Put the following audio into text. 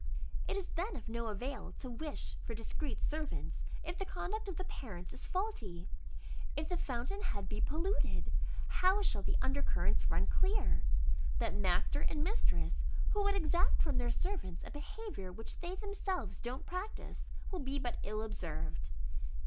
It is then of no avail to wish for discreet servants, if the conduct of the parents is faulty. If the fountain head be polluted, how shall the under currents run clear? That master and mistress, who would exact from their servants a behaviour which they themselves don't practice, will be but ill observed.